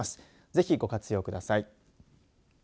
ぜひ、ご活用ください。